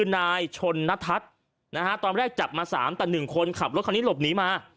นายชนเผชิญทรนทัศน์จับมา๓คนแต่๑คนขับรถหนีหลบหนีมา